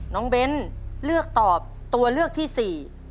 น้องเบ้นเลือกตอบตัวเลือกที่สี่